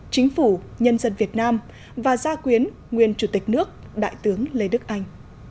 chính phủ nhân dân việt nam và gia quyến nguyên chủ tịch nước đại tướng lê đức anh